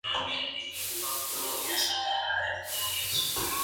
La puerta, cuadrada, se abre a la fachada sur.